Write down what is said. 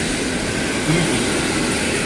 yid-i.